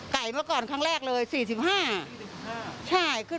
แต่ส่วนมากเขาจะบ่น